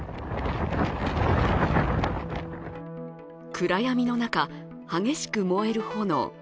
暗闇の中、激しく燃える炎。